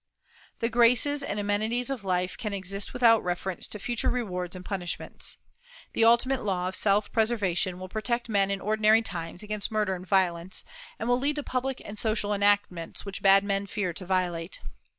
The graces and amenities of life can exist without reference to future rewards and punishments. The ultimate law of self preservation will protect men in ordinary times against murder and violence, and will lead to public and social enactments which bad men fear to violate.